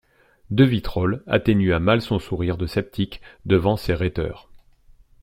De Vitrolles atténua mal son sourire de sceptique devant ces rhéteurs.